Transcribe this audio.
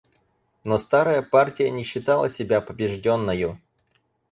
Но старая партия не считала себя побежденною.